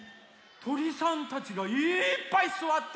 とりさんたちがいっぱいすわってる。